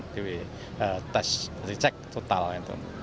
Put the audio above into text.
tes dicek total itu